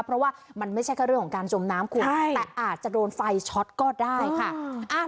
เพราะว่ามันไม่ใช่แค่เรื่องของการจมน้ำคุณแต่อาจจะโดนไฟช็อตก็ได้ค่ะ